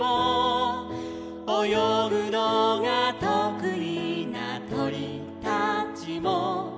「およぐのがとくいなとりたちも」